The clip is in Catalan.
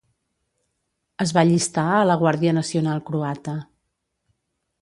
Es va llistar a la Guàrdia Nacional Croata.